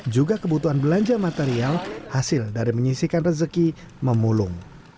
juga kebutuhan belanja material hasil dari menyisikan rezeki memulung